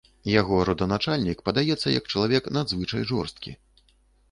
Яго роданачальнік падаецца як чалавек надзвычай жорсткі.